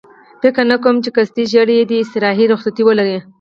فکر نه کوم چې قصدي ژېړی دې استراحتي رخصتي ولري.